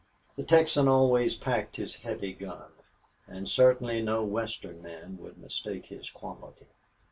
The Texan always packed his heavy gun, and certainly no Western men would mistake his quality.